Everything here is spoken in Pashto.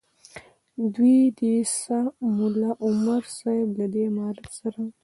دوه دې سه ملا عمر صاحب له دې امارت سره.